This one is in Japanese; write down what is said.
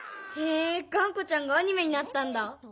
へえがんこちゃんがアニメになったんだ。